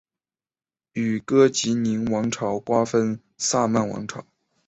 与哥疾宁王朝瓜分萨曼王朝。